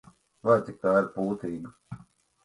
Vai, cik tā ir pūcīga!